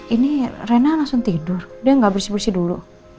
ini rena langsung tidur udah gak bersih bersih dulu